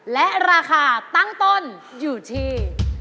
และราคาตั้งต้นอยู่ที่